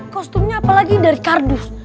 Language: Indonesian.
kostumnya apalagi dari kardus